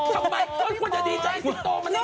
โธ่พี่โฟดคุณควรจะดีใจสิงโตมันอยู่ไหนมาก